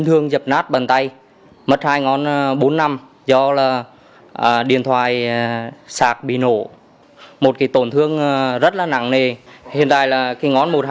trong lúc một h là điện thoại sắp hết pin